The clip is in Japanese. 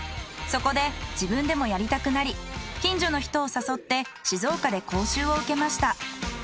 そこで自分でもやりたくなり近所の人を誘って静岡で講習を受けました。